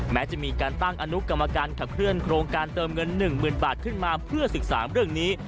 แม้จะมีการตั้งอนุกรรมการขับเคลื่อนโครงการเติมเงิน๑๐๐๐บาทขึ้นมาเพื่อศึกษาเรื่องนี้